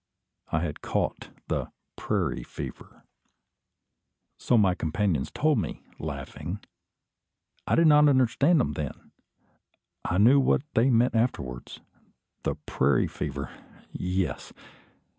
I had caught the "prairie fever!" So my companions told me, laughing. I did not understand them then. I knew what they meant afterwards. The prairie fever! Yes.